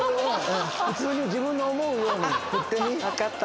普通に自分の思うように打ってみ。分かった。